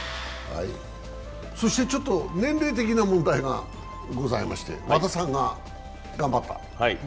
年齢的な問題がございまして、和田さんが頑張った。